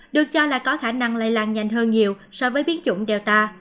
được cho là có khả năng lây lan nhanh hơn nhiều so với biến chủng delta